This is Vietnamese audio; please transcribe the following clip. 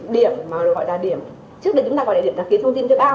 điểm mà gọi là điểm trước đây chúng ta gọi địa điểm đăng ký thông tin thuê bao